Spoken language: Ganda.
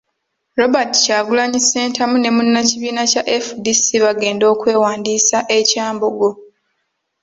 Robert Kyagulanyi Ssentamu ne Munnakibiina kya FDC bagenda okwewandiisa e Kyambogo.